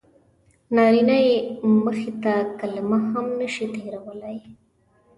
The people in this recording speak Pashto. نارینه یې مخې ته کلمه هم نه شي تېرولی.